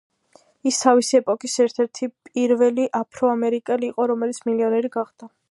ის თავისი ეპოქის ერთ-ერთი პირველი აფროამერიკელი იყო, რომელიც მილიონერი გახდა.